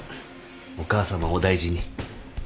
お母さまお大事に。